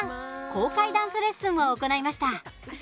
公開ダンスレッスンを行いました。